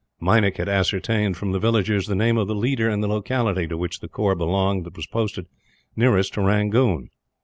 Meinik had ascertained, from the villagers, the name of the leader and the locality to which the corps belonged that was posted nearest to Rangoon.